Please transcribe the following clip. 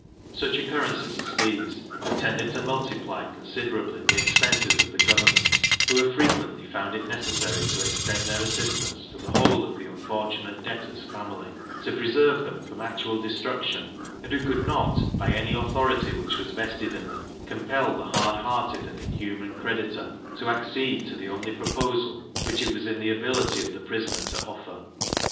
Such occurrences as these have tended to multiply considerably the expenses of government, who have frequently found it necessary to extend their assistance to the whole of the unfortunate debtor's family, to preserve them from actual destruction; and who could not, by any authority which was vested in them, compel the hard hearted and inhuman creditor to accede to the only proposal which it was in the ability of the prisoner to offer.